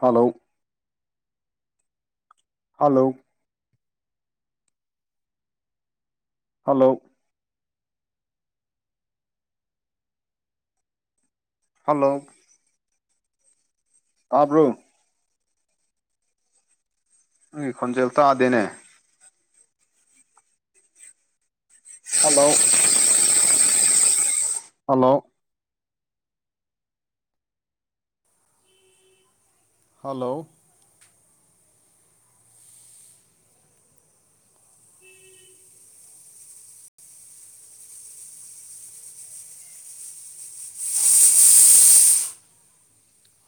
Hello hello hello hello ꯑꯥꯕ꯭ꯔꯣ ꯅꯪꯒꯤ ꯈꯣꯟꯖꯦꯜ ꯇꯥꯗꯦꯅꯦ hello hello hello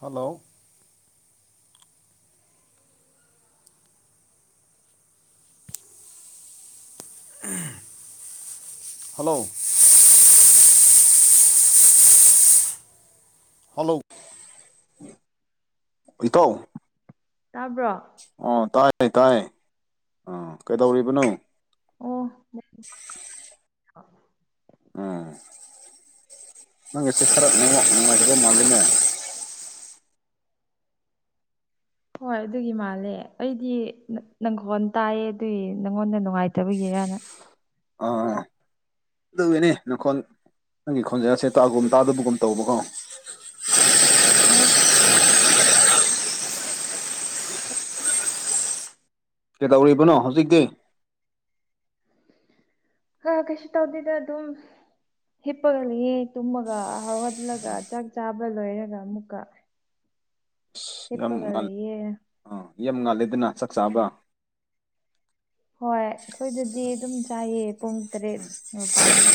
hello hello hello ꯏꯇꯥꯎ ꯇꯥꯕ꯭ꯔꯣ ꯑꯣ ꯇꯥꯏ ꯇꯥꯏ ꯑꯥ ꯀꯩꯗꯧꯔꯤꯕꯅꯣ ꯑꯣ ꯎꯝ ꯅꯪ ꯒꯤꯁꯦ ꯈꯔꯥ ꯏꯦꯠꯋꯥꯛ ꯅꯨꯡꯉꯥꯏꯇꯕ ꯃꯥꯜꯂꯤꯅꯦ ꯍꯣꯏ ꯑꯗꯨꯒꯤ ꯃꯥꯜꯂꯦ ꯑꯩꯗꯤ ꯅꯪꯈꯣꯟ ꯇꯥꯏꯌꯦ ꯑꯗꯨꯒꯤ ꯅꯪꯉꯣꯟꯗ ꯅꯨꯡꯉꯥꯏꯇꯕꯒꯤꯔꯅ ꯑ ꯑꯗꯨꯋꯅꯦ ꯅꯪꯈꯣꯟ ꯅꯪꯒꯤ ꯈꯣꯟꯖꯁꯦ ꯇꯥꯒꯨꯝ ꯇꯥꯗꯕꯒꯨꯝ ꯇꯧꯕꯀꯣ ꯑꯣ ꯀꯩꯗꯧꯔꯤꯕꯅꯣ ꯍꯧꯖꯤꯛꯇꯤ ꯑ ꯀꯩꯁ ꯇꯧꯗꯗ ꯑꯗꯨ ꯍꯤꯞꯄꯒ ꯂꯩꯍ ꯇꯨꯝꯃꯒ ꯍꯧꯒꯠꯂꯒ ꯆꯥꯛ ꯆꯥꯕ ꯂꯣꯏꯔꯒ ꯑꯃꯨꯛꯀ ꯑ ꯌꯥꯝ ꯍꯤꯞꯄꯒ ꯉꯥꯜꯂꯦ ꯂꯩꯌꯦ ꯑꯥ ꯌꯥꯝ ꯉꯥꯜꯂꯦꯗꯅ ꯆꯥꯛ ꯆꯥꯕ꯭ꯔ ꯍꯣꯏ ꯑꯩꯈꯣꯏꯗꯗꯤ ꯑꯗꯨꯝ ꯆꯥꯏꯑ ꯄꯨꯡ ꯇꯔꯦꯠ ꯃꯄꯥꯟꯗ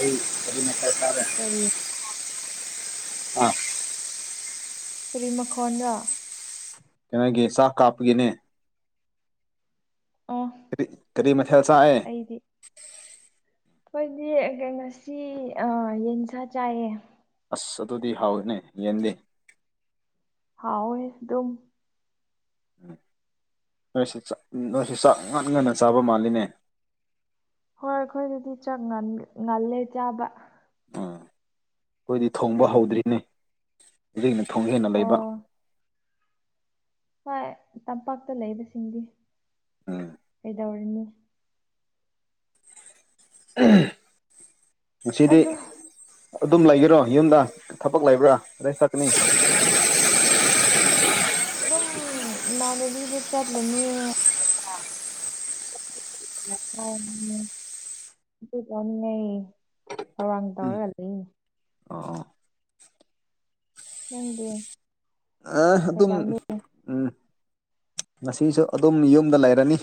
ꯑꯩ ꯀꯅꯠꯇꯥꯏ ꯇꯔꯦ ꯀꯔꯤ ꯑꯥ ꯀꯦꯔꯤ ꯃꯈꯣꯟꯅ ꯀꯩꯅꯣꯒꯤ ꯆꯥꯛ ꯀꯥꯞꯄꯒꯤꯅꯦ ꯑ ꯀꯔꯤ ꯀꯔꯤ ꯃꯊꯦꯜꯁꯑ ꯑꯩꯗꯤ ꯑꯩꯣꯏꯗꯤ ꯀꯩꯅꯣꯁꯤ ꯌꯦꯟꯁꯥ ꯆꯥꯏꯌꯦ ꯑꯁ ꯑꯗꯨꯗꯤ ꯍꯥꯎꯏꯅꯦ ꯌꯦꯟꯗꯦ ꯍꯥꯎ ꯑꯗꯨꯝ ꯅꯣꯏꯁꯨꯥꯛ ꯅꯣꯏꯁꯤ ꯆꯥꯛ ꯉꯟ ꯉꯟꯅ ꯆꯥꯕ ꯃꯥꯜꯂꯤꯅꯦ ꯍꯣꯏ ꯑꯩꯈꯣꯏꯗꯗꯤ ꯆ ꯉꯜꯂꯦ ꯆꯥꯕ ꯎꯝ ꯑꯩꯈꯣꯏꯗꯤ ꯊꯣꯡꯕ ꯑꯗꯒꯤ ꯍꯧꯗ꯭ꯔꯤꯅꯦ ꯍꯧꯩꯅ ꯊꯣꯡ ꯍꯦꯟꯅ ꯂꯩꯕ ꯑꯣ ꯍꯣꯏ ꯇꯝꯄꯥꯛꯇ ꯂꯩꯕꯁꯤꯡꯗꯤ ꯑ ꯇꯧꯔꯤꯅꯤ ꯑꯗꯨ ꯉꯅꯨꯡꯆꯗꯤ ꯑꯗꯨꯝ ꯂꯩꯒꯔꯣ ꯌꯨꯝꯗ ꯊꯕꯛ ꯂꯩꯕ꯭ꯔꯥ ꯑꯗꯩ ꯁꯛꯀꯅꯤ ꯑꯗꯨꯝ ꯏꯃꯥꯟꯅꯕꯤꯗ ꯆꯠꯂꯅꯤ [inaudible] ꯍꯧꯪ ꯎꯝ ꯇꯋꯥꯔꯒꯜꯂꯤ ꯑꯣ ꯅꯪꯗꯤꯦ ꯑ ꯑꯗꯨꯝ ꯎꯝ ꯉꯁꯤꯁꯨ ꯑꯗꯨꯝ ꯌꯨꯝꯗ ꯂꯩꯔꯅꯤ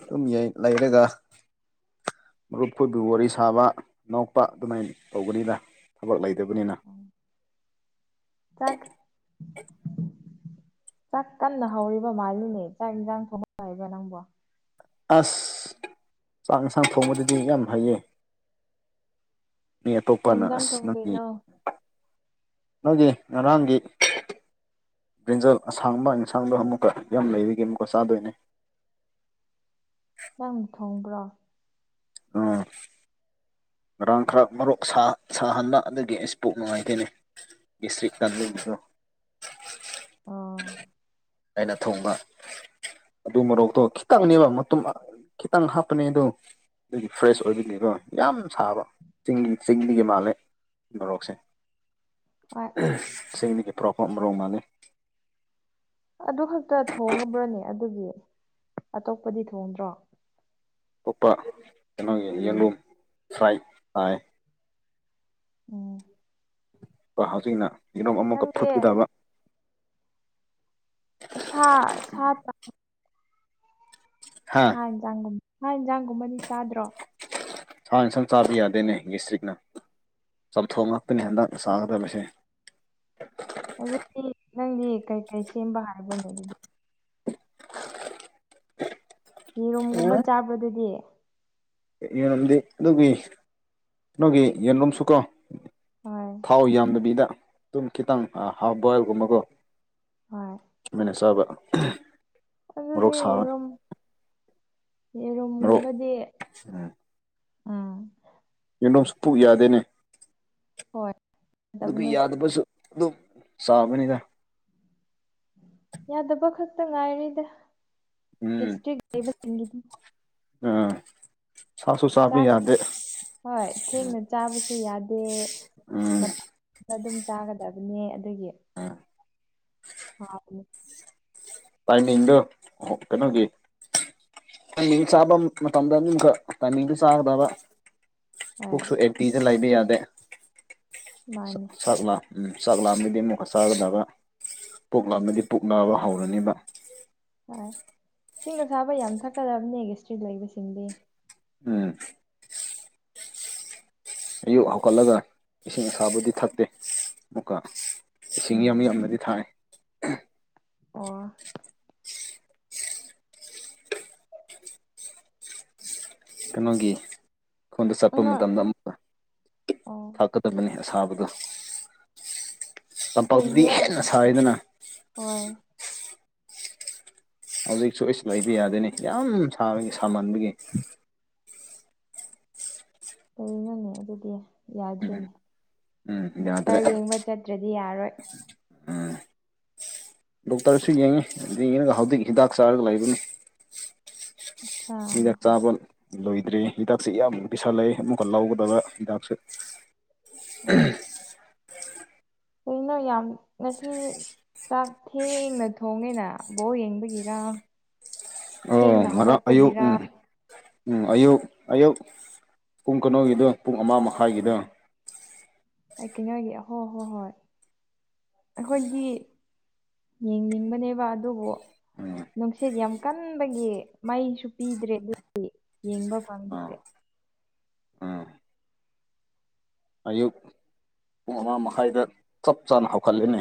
ꯑꯗꯨꯝ ꯂꯩꯔꯒ ꯃꯔꯨꯞꯈꯨꯣꯏꯕꯨ ꯋꯥꯔꯤ ꯁꯥꯕ ꯅꯣꯛꯄ ꯑꯗꯨꯃꯥꯏꯅ ꯇꯧꯒꯅꯤꯗ ꯊꯕꯛ ꯂꯩꯇꯕꯅꯤꯅ ꯆ [inaudible] ꯆꯥꯛ ꯀꯟꯅ ꯍꯧꯔꯤꯕ ꯃꯥꯜꯂꯤꯅꯦ ꯆꯥꯛ ꯌꯦꯟꯁꯥꯡ ꯊꯣꯡꯍꯏꯕ ꯅꯪꯕꯣ ꯑꯁ ꯆꯥꯛ ꯌꯦꯟꯁꯥꯡ ꯊꯣꯡꯕꯗꯗꯤ ꯌꯥꯝ ꯐꯩꯌꯦ ꯃꯤ ꯀꯩ ꯑꯇꯣꯞꯄꯅ ꯌꯦꯟꯁꯥꯡ ꯑꯁ ꯅꯪꯉ ꯊꯣꯡꯗꯣꯏꯅꯣ ꯅꯣꯏꯒꯤ ꯉꯔꯥꯡꯒꯤ ꯕ꯭ꯔꯤꯟꯖꯜ ꯑꯁꯥꯡꯕ ꯑꯃꯥꯡ ꯌꯦꯟꯁꯥꯡꯗꯣ ꯑꯃꯨꯛꯀ ꯌꯥꯝ ꯂꯩꯔꯤꯒꯦ ꯑꯃꯨꯛꯀ ꯆꯥꯗꯣꯏꯅꯦ ꯅꯪꯛ ꯊꯣꯡꯕ꯭ꯔꯣ ꯎꯝ ꯉꯔꯥꯡ ꯈꯔ ꯃꯔꯣꯛ ꯁꯥꯍꯟꯕ ꯑꯗꯨꯗꯒꯤ ꯏꯁꯄꯣꯛ ꯅꯨꯡꯉꯥꯏꯇꯣꯏꯅꯤ ꯁ ꯀꯣ ꯑꯣ ꯑꯩꯅ ꯊꯣꯡꯕ ꯑꯗꯨ ꯃꯔꯣꯛꯇꯣ ꯈꯤꯇꯪꯅꯦꯕ ꯃꯇ ꯈꯤꯇꯪ ꯍꯥꯞꯄꯅꯦ ꯑ ꯑꯗꯨ ꯑꯗꯒꯤ ꯐ꯭ꯔꯦꯁ ꯑꯣꯏꯕꯅꯦꯕ ꯌꯥꯝ ꯁꯥꯕ ꯆꯤꯡꯒꯤ ꯆꯤꯡꯗꯤꯒꯤ ꯃꯥꯜꯂꯦ ꯃꯣꯔꯣꯛꯁꯦ ꯍꯣꯏ ꯆꯦꯡꯅꯤꯒꯤ ꯄꯣꯔꯣꯛ ꯃꯔꯣꯔꯣꯛ ꯃꯥꯜꯂꯤꯦ ꯑꯗꯨ ꯈꯛꯇ ꯊꯣꯡꯉꯕ꯭ꯔꯅꯦ ꯑꯗꯨꯒꯤ ꯑꯇꯣꯞꯄꯗꯤ ꯊꯣꯡꯗ꯭ꯔꯣ ꯑꯇꯣꯞꯄ ꯀꯩꯅꯣꯒꯤ ꯎꯝ ꯌꯦꯟꯂꯣꯝ ꯁ꯭ꯔꯥꯏꯠ ꯇꯥꯏ ꯑꯣ ꯍꯧꯖꯤꯛꯅ ꯌꯦꯔꯣꯝ ꯑꯃꯨꯛꯀ ꯅꯪꯗꯤ ꯐꯨꯠꯀꯗꯕ ꯁꯥ ꯁꯥ ꯇ ꯍꯥ ꯊꯥ ꯏꯟꯖꯥꯡꯒꯨꯝ ꯊꯥ ꯌꯦꯟꯖꯥꯡꯒꯨꯝꯕꯗꯤ ꯆꯥꯗ꯭ꯔꯣ ꯁꯥꯅ ꯁꯝ ꯆꯥꯕ ꯌꯥꯗꯦꯅꯦ ꯗꯤꯁꯇ꯭ꯔꯤꯛꯅ ꯆꯝꯊꯣꯡ ꯉꯥꯛꯇꯅꯦ ꯑꯦ ꯍꯟꯗꯛꯅ ꯆꯥꯒꯗꯕꯁꯦ [inaudible] ꯑꯗꯨꯗꯤ ꯅꯪꯗꯤ ꯀꯩꯀꯩ ꯁꯦꯝꯕ ꯍꯥꯏꯕꯅꯦ ꯑꯗꯨꯗꯤ ꯌꯦꯔꯨꯝꯒꯨꯝꯕ ꯆꯥꯕꯗꯨꯗꯤ ꯌꯦꯟꯗꯤ ꯑꯗꯨꯒꯤ ꯅꯣꯏꯒꯤ ꯌꯦꯟꯂꯣꯝꯁꯨꯀꯣ ꯍꯣꯏ ꯊꯥꯎ ꯌꯥꯝꯗꯕꯤꯗ ꯑꯗꯨꯝ ꯈꯤꯇꯪ ꯍꯥꯞ ꯕꯣꯏꯜꯒꯨꯝꯕꯀꯣ ꯍꯣꯏ ꯁꯃꯥꯏꯅ ꯆꯥꯕ ꯃꯣꯔꯣꯛ ꯑꯗꯨꯗꯤ ꯁꯥꯕ ꯌꯦꯔꯨꯝ ꯌꯦꯔꯨꯝꯒꯨꯝꯕꯗꯤ ꯎ ꯎꯝ ꯌꯦꯗꯣꯁꯨꯄꯨ ꯌꯥꯗꯦꯅꯦ ꯍꯠ ꯑꯗꯨꯒ ꯌꯥꯗꯕꯁꯨ ꯑꯗꯨꯝ ꯆꯥꯕꯅꯤꯗ ꯌꯥꯗꯕꯣ ꯈꯛꯇꯪ ꯉꯥꯏꯔꯤꯗ ꯎꯝ ꯎꯝ ꯁꯥꯁꯨ ꯆꯕ ꯆꯥꯛ ꯌꯥꯗꯦ ꯍꯣꯏ ꯊꯦꯡꯅ ꯆꯥꯕꯁꯨ ꯌꯥꯗꯦ ꯎꯝ ꯃꯇꯝ ꯑꯗꯨꯝ ꯆꯥꯒꯗꯕꯅꯦ ꯑꯗꯨꯒꯤ ꯍꯥꯎꯕꯅꯦ ꯇꯥꯏꯅꯤꯡꯗꯣ ꯀꯩꯅꯣꯒꯤ ꯇ ꯆꯥꯕ ꯃꯇꯝꯗꯅꯤ ꯇꯁꯨ ꯆꯥꯒꯗꯕ ꯍꯣꯏ ꯄꯨꯛꯁꯨ ꯑꯦꯛꯛꯇꯤꯗ ꯂꯥꯏꯕ ꯌꯥꯗꯦ ꯃꯥꯅꯤ ꯁꯥꯛ ꯂꯥꯛꯑꯝꯃꯗꯤ ꯑꯃꯨꯛ ꯁꯥꯥꯒꯗꯒ ꯄꯣꯛ ꯂꯥꯛꯑꯝꯕꯗꯤ ꯄꯛꯅꯕ ꯍꯧꯔꯅꯤꯕ ꯍꯣꯏ ꯏꯁꯤꯡꯅ ꯁꯥꯥꯕ ꯌꯥꯝ ꯊꯛꯀꯗꯕꯅꯦꯒ ꯏꯁꯇ꯭ꯔꯤꯠ ꯂꯩꯕꯁꯤꯡꯗꯤ ꯎꯝ ꯑꯌꯨꯛ ꯍꯧꯒꯠꯂꯒ ꯏꯁꯤꯡ ꯑꯁꯥꯕꯨꯗꯤ ꯊꯛꯇꯦ ꯑꯃꯨꯛꯀ ꯏꯁꯤꯡ ꯌꯥꯝ ꯎꯝ ꯌꯥꯝꯅꯗꯤ ꯊꯥꯏ ꯑꯣ ꯀꯩꯅꯣꯒꯤꯈꯣꯟꯗ ꯆꯠꯄ ꯅꯪ ꯃꯇꯝꯗ ꯑꯃꯨꯛꯀ ꯑꯣ ꯊꯀꯠ ꯐꯖꯕꯅꯤ ꯑꯁꯥꯕꯗꯣ ꯇꯄꯥꯛꯇꯗꯤ ꯀꯩꯒꯤꯔꯥ ꯍꯦꯟꯅ ꯁꯥꯔꯤꯗꯅ ꯍꯣꯏ ꯍꯧꯖꯤꯛꯁꯨ ꯑꯩꯁ ꯂꯩꯕ ꯌꯥꯗꯣꯏꯅꯤ ꯌꯥꯝ ꯁꯥꯕꯒꯤ ꯁꯥꯃꯟꯕꯒꯤ ꯀꯩꯅꯅꯦ ꯑꯗꯨꯗꯤ ꯎꯝ ꯌꯥꯗ꯭ꯔꯤꯅꯦ ꯎꯝ ꯗꯣꯛꯇꯔ ꯌꯥꯗ꯭ꯔꯦ ꯌꯦꯡꯕ ꯆꯠꯇ꯭ꯔꯗꯤ ꯌꯥꯔꯣꯏ ꯎꯝ ꯗꯣꯛꯇꯔꯁꯨ ꯌꯦꯡꯉꯤ ꯌꯦꯡꯉꯉꯒ ꯍꯧꯖꯤꯛ ꯍꯤꯗꯥꯛ ꯆꯥꯔꯒ ꯂꯩꯕꯅꯤ ꯑꯠꯆꯥ ꯏꯗꯛꯇꯕ ꯂꯣꯏꯗ꯭ꯔꯔꯤ ꯍꯤꯗꯥꯛꯁꯦ ꯏꯌꯥꯝꯕ ꯄꯩꯁꯥꯂꯦ ꯑꯃꯨꯛꯀ ꯂꯧꯒꯗꯕ ꯍꯤꯗꯥꯛꯁꯦ ꯎꯝ ꯀꯅꯣ ꯌꯥꯝ ꯉꯁꯤ ꯆꯥꯛꯊꯦꯡꯅ ꯊꯣꯡꯉꯦꯅ ꯕꯣꯛ ꯌꯦꯡꯕꯒꯤꯔ ꯑ ꯃꯔꯝ ꯑꯌꯨ ꯎ ꯎꯝ ꯑꯌꯨꯛ ꯑꯌꯨꯛ ꯄꯨꯡ ꯀꯩꯅꯣꯒꯤꯗꯣ ꯄꯨꯡ ꯑꯃ ꯃꯈꯥꯏꯒꯤꯗꯣ ꯀꯅꯒ ꯍꯣ ꯍꯣ ꯍꯣꯏ ꯑꯩꯈꯣꯏꯒꯤ ꯌꯦꯡꯅꯤꯡꯕꯅꯦꯕ ꯑꯗꯨꯕꯨ ꯎꯝ ꯅꯨꯡꯁꯤꯠ ꯌꯥꯝ ꯀꯟꯕꯒꯤ ꯃꯩꯁꯨ ꯄꯤꯗ꯭ꯔꯦ ꯑꯗꯨꯗꯤ ꯌꯦꯡꯕ ꯑꯥ ꯄꯝꯗꯁꯦ ꯑꯥ ꯑꯌꯨꯛ ꯄꯨꯡ ꯑꯃꯥ ꯃꯈꯥꯏꯗ ꯆꯞ ꯆꯥꯅ ꯍꯧꯒꯠꯂꯦꯅꯦ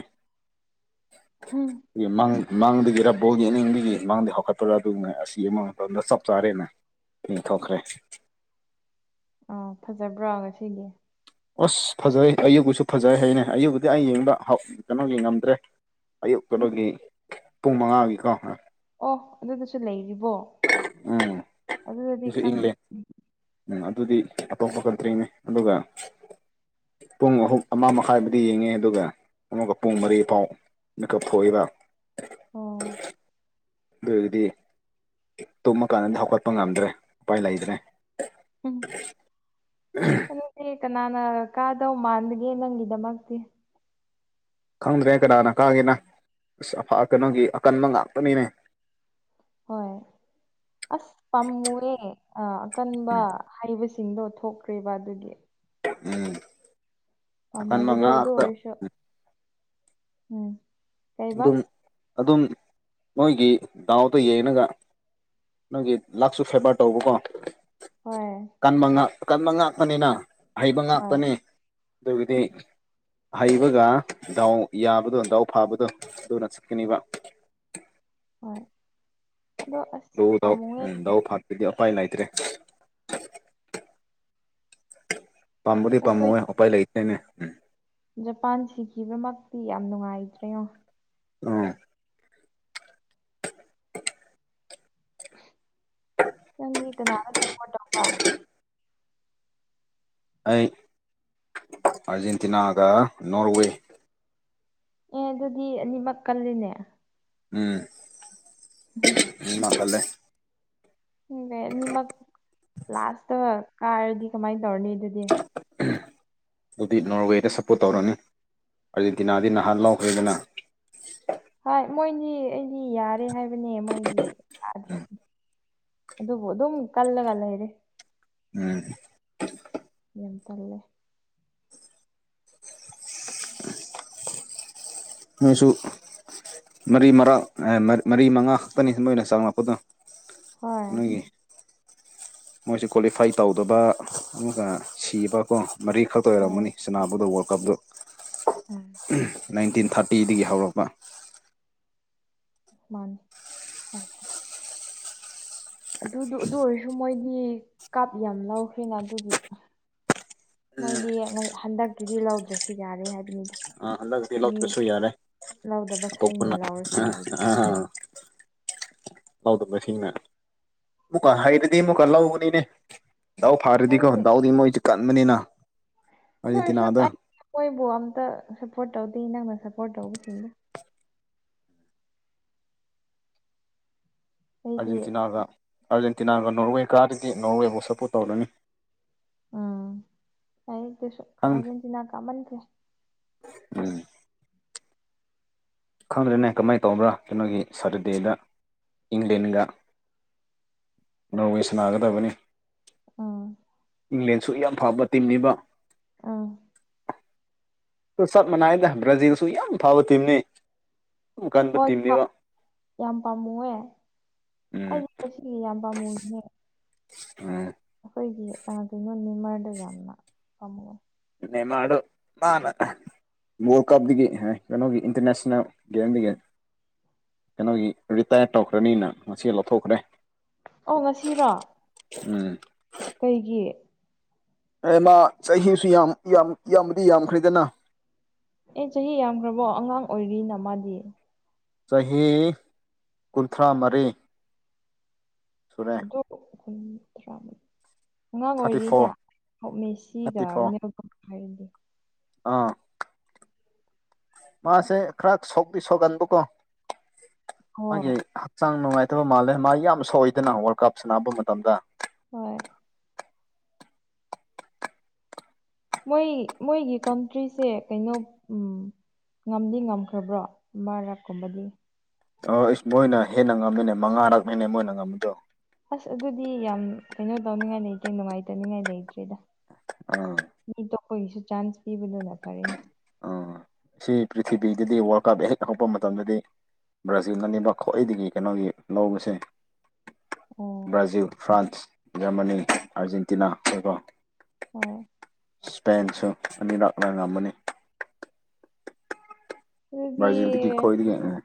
ꯍꯨꯝ ꯥꯃꯪ ꯃꯪꯗꯒꯤ ꯌꯦꯡ ꯕꯣꯜ ꯌꯦꯅꯤꯡꯕꯤ ꯃꯥꯡꯗ ꯍꯧꯒꯠꯄ꯭ꯔꯥ ꯑꯗꯨꯉꯩ ꯑꯁꯤ ꯃꯇꯝꯗ ꯆꯞ ꯆꯥꯔꯦꯅꯦ ꯌꯦꯡꯊꯣꯛꯈ꯭ꯔꯦ ꯑꯧ ꯐꯖꯕ꯭ꯔꯣ ꯉꯁꯤꯒꯤ ꯑꯁ ꯐꯖꯩ ꯑꯌꯨꯛꯎꯁꯨ ꯐꯖꯩ ꯍꯥꯏꯅꯦ ꯑꯌꯨꯕꯨꯇꯤ ꯑꯩ ꯌꯦꯡꯕ ꯍꯧ ꯌꯦꯡꯉꯝꯗ꯭ꯔꯦ ꯑꯌꯨꯛꯇꯣ ꯑꯌꯨꯛ ꯅꯣꯏꯒꯤ ꯄꯨꯡ ꯃꯪꯉꯥꯒꯤꯀꯣ ꯑꯣ ꯑꯗꯨꯗꯨꯁꯨ ꯂꯩꯔꯤꯕꯣ ꯑꯗꯨꯗꯗꯤ ꯈꯪꯗꯦ ꯑꯝ [inaudible] ꯑꯝ ꯑꯗꯨꯗꯤ ꯑꯇꯣꯞꯄ ꯀꯟꯇ꯭ꯔꯤꯅꯦ ꯑꯗꯨꯒ ꯄꯨꯡ ꯑꯍꯨꯝ ꯑꯃ ꯃꯈꯥꯏꯕꯨꯗꯤ ꯌꯦꯡꯉꯦ ꯑꯗꯨꯒ ꯑꯃꯨꯒ ꯄꯨꯡ ꯃꯔꯤ ꯐꯥꯎ ꯃꯤꯀꯞ ꯊꯣꯛꯏꯕ ꯑꯣ ꯑꯗꯨꯑꯣꯏꯗꯤ ꯇꯨꯝꯃ ꯀꯥꯟꯗ ꯍꯧꯒꯠꯄ ꯉꯝꯗ꯭ꯔꯦ ꯎꯄꯥꯏ ꯂꯩꯇ꯭ꯔꯦ ꯎꯝ [inaudible] ꯑꯗꯨꯅꯦ ꯀꯅꯥꯅ ꯀꯥꯗꯧ ꯃꯥꯟꯒꯦ ꯅꯪꯒꯤꯗꯃꯛꯇꯤ ꯈꯪꯗ꯭ꯔꯦ ꯀꯅꯥꯅ ꯀꯥꯒꯦꯅ ꯑꯁ ꯑꯐꯥ ꯀꯅꯥꯒꯤ ꯑꯀꯟꯕ ꯉꯥꯛꯇꯅꯤꯅꯦ ꯍꯣꯏ ꯑꯁ ꯄꯥꯝꯃꯨꯏꯑꯦ ꯑ ꯑꯀꯟꯕ ꯎꯝ ꯍꯩꯕꯁꯤꯡꯗꯣ ꯊꯣꯛꯈ꯭ꯔꯦꯕ ꯑꯗꯨꯒꯤ ꯎꯝ ꯑꯀꯟ ꯄꯝꯃꯨꯕꯗꯣ ꯑꯗꯨ ꯃꯉꯥꯛꯇ ꯑꯣꯏꯔꯁꯨ ꯎꯝ ꯀꯩꯕ ꯑꯗꯨꯝ ꯑꯗꯨꯝ ꯃꯣꯏꯒꯤ ꯗꯥꯎꯗꯣ ꯌꯦꯡꯉꯒ ꯅꯪꯒꯤ ꯂꯛꯁꯨ ꯐꯦꯕ꯭ꯔ ꯇꯧꯑꯣꯀꯣ ꯍꯣꯏ ꯀꯟꯕꯉꯥꯛ ꯀꯟꯕꯉꯥꯛ ꯇꯅꯤꯅ ꯍꯩꯕ ꯍꯣꯏ ꯉꯥꯛꯇꯅꯤ ꯑꯗꯨꯒꯤꯗꯤ ꯍꯩꯕꯒ ꯗꯥꯎ ꯌꯥꯕꯗꯣ ꯗꯥꯎ ꯐꯥꯕꯗꯣ ꯊꯨꯅ [inaudible] ꯍꯣꯏ ꯑꯗꯣ ꯑꯁ [inaudible] ꯄꯥꯝꯃꯨꯌꯦ ꯎꯝ ꯗꯧ ꯐꯥꯠꯄꯒꯤ ꯎꯄꯥꯏ ꯂꯩꯇ꯭ꯔꯦ ꯄꯥꯝꯕꯨꯗꯤ ꯑꯩꯈꯣꯏ ꯄꯥꯝꯃꯨꯏꯑꯦ ꯎꯄꯥꯏ ꯂꯩꯇꯦꯅꯦ ꯎꯝ ꯖꯄꯥꯟ ꯁꯤꯈꯤꯕꯃꯛꯇꯤ ꯌꯥꯝ ꯅꯨꯡꯉꯥꯏꯇ꯭ꯔꯦꯉꯣ [inaudible] ꯅꯪꯗꯤ ꯀꯅꯔ ꯁꯄ꯭ꯔꯣꯠ ꯇꯧꯕ ꯑꯩ ꯑ꯭ꯔꯖꯦꯟꯇꯤꯅꯥꯒ ꯅꯣꯔꯋꯦ ꯑꯦ ꯑꯗꯨꯗꯤ ꯑꯅꯤꯃꯛ ꯀꯜꯂꯤꯅꯦ ꯎꯝ ꯎꯝ, ꯑꯅꯤꯃꯛ ꯀꯜꯂꯦ ꯗꯦ ꯑꯅꯤꯃꯛ ꯂꯥꯁꯇ ꯀꯥꯔꯗꯤ ꯀꯃꯥꯏꯅ ꯇꯧꯔꯅꯤ ꯑꯗꯨꯗꯤ [inaudible] ꯑꯗꯨꯗꯤ ꯅꯣꯔꯋꯦꯗ ꯁꯞꯄꯣꯔꯠ ꯇꯧꯔꯅꯤ ꯑ꯭ꯔꯖꯦꯟꯇꯤꯅꯥꯗꯤ ꯅꯍꯥꯟ ꯂꯧꯔꯦꯗꯅ ꯍꯣꯏ ꯃꯣꯏꯗꯤ ꯑꯩꯗꯤ ꯌꯥꯔꯦ ꯍꯥꯏꯕꯅꯦ ꯃꯣꯏꯗꯤ ꯀꯥꯗ꯭ꯔꯦ ꯑꯗꯨꯕꯨ ꯑꯗꯨꯝ ꯀꯜꯂꯒ ꯂꯩꯔꯦ ꯑꯝ ꯌꯥꯝ ꯇꯜꯂꯦ ꯅꯣꯏꯁꯨ ꯃꯔꯤ ꯃꯔꯛ ꯃꯔꯤ ꯃꯉꯥ ꯈꯛꯇꯅꯦ ꯃꯣꯏꯅ ꯆꯪ ꯉꯛꯄꯗꯣ ꯍꯣꯏ ꯅꯣꯏꯒꯤ ꯃꯣꯏꯁꯨ ꯀ꯭ꯋꯥꯂꯤꯐꯥꯏ ꯇꯧꯗꯕ ꯑꯗꯨꯒ ꯁꯤꯕꯀꯣ ꯃꯔꯤꯈꯛꯇ ꯍꯣꯏ ꯑꯣꯏꯔꯝꯒꯅꯤ ꯁꯅꯥꯕꯨꯗ ꯋ꯭ꯔꯜ ꯀꯞꯇꯣ ꯎꯝ ꯑꯝ ꯅꯥꯏꯟꯇꯤꯟ ꯊ꯭ꯔꯠ ꯑꯩ ꯗꯒꯤ ꯍꯧꯔꯛꯄ ꯃꯥꯅꯦ ꯃꯅꯦ ꯑꯗꯨꯗꯨ ꯑꯗꯨ ꯑꯣꯏꯔꯁꯨ ꯃꯣꯏꯗꯤ ꯀꯥꯞ ꯌꯥꯝ ꯂꯧꯈ꯭ꯔꯦꯅ ꯑꯗꯨꯒꯤ ꯃꯣꯏꯗꯤ ꯍꯟꯗꯛꯀꯤꯗꯤ ꯂꯧꯗ꯭ꯔꯁꯨ ꯌꯥꯔꯦ ꯍꯥꯏꯕꯅꯤꯗ꯫ ꯑ ꯍꯂꯛꯗꯤ ꯃꯤ ꯂꯣꯛꯇꯔꯁꯨ ꯌꯥꯔꯦ ꯂꯧꯗꯕ ꯈꯔꯅ ꯑꯣꯞꯄꯅ__ ꯂꯧꯔꯁꯨ ꯌꯥꯏꯗ ꯑ ꯍ ꯂꯧꯗꯕꯅꯁꯤꯡꯅ ꯑꯃꯨꯛꯀ ꯍꯥꯏꯗꯗꯤ ꯑꯃꯨꯛꯀ ꯂꯧꯒꯅꯤꯅꯦ ꯗꯥꯎ ꯐꯥꯔꯗꯤꯀꯣ ꯅꯪꯗꯤ ꯗꯥꯎꯗꯤ ꯃꯣꯏꯁꯦ ꯀꯟꯕꯅꯤꯅ ꯑꯗꯨ ꯑꯥꯔꯖꯦꯟꯇꯤꯅꯥꯗ ꯑꯣꯏꯔꯁꯨ ꯃꯣꯏꯕꯨ ꯑꯝꯇ ꯁꯞꯄꯣꯔꯠ ꯇꯧꯗꯦ ꯅꯪꯅ ꯁꯞꯄꯣꯔꯠ ꯇꯧꯕꯁꯤꯡꯗ ꯑꯩꯗꯤ ꯑꯥꯔꯖꯦꯟꯇꯤꯅꯥꯒ ꯑꯥꯔꯖꯦꯟꯇꯤꯅꯥꯒ ꯅꯣꯔꯋꯦ ꯀꯥꯗꯗꯤ ꯅꯣꯔꯋꯦꯐꯥꯎ ꯁꯞꯄꯣꯔꯠ ꯇꯧꯔꯅꯤ꯫ ꯎꯝ ꯑꯩ ꯈꯪꯗꯦ ꯑꯔꯖꯦꯟꯇꯤꯅꯥ ꯀꯃꯟꯈꯔꯦ꯫ ꯎꯝ ꯈꯪꯗ꯭ꯔꯦꯅꯦ ꯀꯃꯥꯏꯅ ꯇꯧꯕ꯭ꯔꯥ ꯀꯩꯅꯣꯒꯤ ꯁꯇꯔꯗꯦꯗ ꯏꯪꯂꯦꯟꯒ__ ꯅꯣꯔꯋꯩ ꯁꯅꯥꯒꯗꯕꯅꯤ꯫ ꯑꯥ ꯏꯪꯂꯦꯟꯁꯨ ꯌꯥꯝ ꯐꯕ ꯇꯤꯝꯅꯤꯕ꯫ ꯑꯥ ꯆꯠ ꯃꯅꯥꯏꯗ ꯕ꯭ꯔꯥꯖꯤꯜꯁꯨ ꯌꯥꯝ ꯐꯕ ꯇꯤꯝꯅꯤ꯫ ꯌꯥꯝ ꯀꯟꯕ ꯍꯣꯏ ꯍꯣ ꯇꯤꯝꯅꯦꯕ ꯌꯥꯝ ꯄꯥꯝꯃꯨꯑꯦ ꯎꯝ ꯑꯩꯗꯤ ꯉꯁꯤꯗꯤ ꯌꯥꯝ ꯄꯥꯝꯃꯨꯅꯦ ꯎꯝ ꯑꯩꯈꯣꯏꯒꯤ ꯀꯩꯅꯣ ꯅꯤꯃꯔꯗ ꯌꯥꯝꯅ ꯄꯥꯝꯃꯦ꯫ ꯅꯦꯃꯔꯗꯣ ꯃꯥꯅ__ ꯋꯥꯔꯜ ꯀꯞꯇꯒꯤ ꯀꯩꯅꯣꯒꯤ ꯏꯟꯇꯔꯅꯦꯁꯅꯦꯜ ꯒꯦꯝꯗꯒꯤ__ ꯀꯩꯅꯣꯒꯤ ꯔꯤꯇꯥꯌꯔ ꯇꯧꯈ꯭ꯔꯅꯤꯅ ꯉꯁꯤ ꯂꯧꯊꯣꯛꯈ꯭ꯔꯦ꯫ ꯑꯣ ꯉꯁꯤꯔꯣ ꯎꯝ ꯀꯩꯒꯤ ꯃꯥ ꯆꯍꯤꯁꯨ ꯌꯥꯝ ꯌꯥꯝ ꯏꯕꯗꯤ ꯌꯥꯝꯈ꯭ꯔꯦꯗꯅ꯫ ꯑꯦ ꯆꯍꯤ ꯌꯥꯝꯈ꯭ꯔꯕꯣ ꯑꯉꯥꯡ ꯑꯣꯏꯔꯤꯅ ꯃꯥꯗꯤ꯫ ꯆꯍꯤ ꯀꯨꯟꯊ꯭ꯔꯥ ꯃꯔꯤ꯫ ꯍꯨꯟꯗ꯭ꯔꯥ ꯑꯉꯥꯡ ꯊꯥꯔꯇꯤ ꯐꯣꯔ ꯑꯣꯏꯔꯤꯅ ꯍꯧꯃꯤ ꯊꯥꯔꯇꯤ ꯐꯣꯔ ꯁꯤꯒꯅꯦꯜꯒ ꯍꯥꯏꯔꯗꯤ ꯑꯥ ꯃꯥꯁꯦ ꯈꯔ ꯁꯣꯛꯄꯤꯤ ꯁꯣꯛꯒꯟꯕꯀꯣ ꯃꯥꯒꯤ ꯍꯣꯏ ꯍꯛꯆꯥꯡ ꯅꯨꯡꯉꯥꯏꯇꯕ ꯃꯥꯜꯂꯦ ꯃꯥ ꯌꯥꯝ ꯁꯣꯛꯏꯗꯅ ꯋꯥꯔꯜ ꯀꯞ ꯁꯥꯟꯅꯕ ꯃꯇꯝꯗ꯫ ꯍꯣꯏ ꯃꯣꯏ ꯃꯣꯏꯒꯤ ꯀꯟꯇ꯭ꯔꯤꯁꯦ ꯀꯩꯅꯣ ꯉꯝꯗꯤ ꯉꯝꯈ꯭ꯔꯕ꯭ꯔꯣ ꯃꯔꯔꯛ ꯀꯨꯝꯕꯗꯤ ꯑ ꯏꯁꯁ ꯃꯣꯏꯅ ꯍꯦꯟꯅ ꯉꯝꯃꯤꯅꯦ ꯃꯉꯥꯔꯛꯅꯤꯅꯦ ꯃꯣꯏꯅ ꯉꯝꯕꯗꯣ ꯑꯁ ꯑꯗꯨꯗꯤ ꯌꯥꯝ ꯀꯩꯅꯣ ꯇꯧꯅꯤꯡꯉꯥꯏ ꯂꯩꯇ꯭ꯔꯦ ꯅꯨꯡꯉꯥꯏꯇꯅꯤꯡꯉꯥꯏ ꯂꯩꯇ꯭ꯔꯦꯗ ꯎꯝ ꯃꯤ ꯇꯣ ꯑꯩꯈꯣꯏꯒꯤꯁꯨ ꯆꯥꯟꯁ ꯄꯤꯕꯗꯨꯅ ꯐꯔꯦꯅ ꯎꯝ ꯁꯤ ꯄ꯭ꯔꯤꯊꯤꯕꯤꯗꯗꯤ ꯋꯥꯔꯜ ꯀꯞ ꯍꯦꯛ ꯊꯣꯛꯔꯛꯄ ꯃꯇꯝꯗꯗꯤ__ ꯕ꯭ꯔꯥꯖꯤꯜꯅꯅꯤꯕ ꯈ꯭ꯋꯥꯍꯏꯗꯒꯤ ꯀꯩꯅꯣꯒꯤ ꯅꯣꯡꯁꯦ ꯑꯣ ꯕ꯭ꯔꯥꯖꯤꯜ ꯐ꯭ꯔꯥꯟꯁ ꯖꯔꯃꯅꯤ ꯑꯥꯔꯖꯦꯟꯇꯤꯅꯥ ꯑꯗꯨꯒ ꯍꯣꯏ ꯏꯁꯄꯦꯟꯁꯨ ꯑꯅꯤ ꯂꯛꯅ ꯉꯝꯃꯅꯤ ꯕ꯭ꯔꯥꯖꯤꯜꯗꯤ ꯑꯗꯨꯗꯤ ꯈꯋꯥꯏꯗꯒꯤ ꯑꯥ__